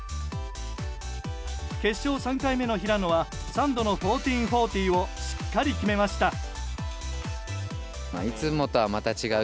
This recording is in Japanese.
決勝３回目の平野は３度の１４４０をしっかり決めました。